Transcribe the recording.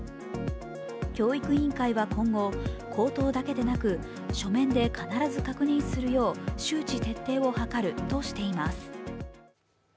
教育委員会は今後口頭だけでなく書面で必ず確認するよう周知徹底を図るとしています。